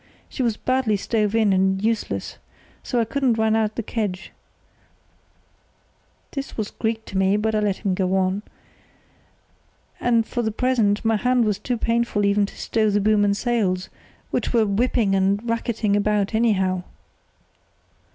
She was badly stove in and useless, so I couldn't run out the kedge"—this was Greek to me, but I let him go on—"and for the present my hand was too painful even to stow the boom and sails, which were whipping and racketing about anyhow.